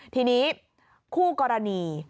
ทีนี้คู่กรณี